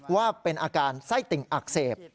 ว่าเป็นอาการไส้ติ่งอักเสบ